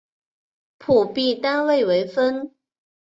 辅币单位为分。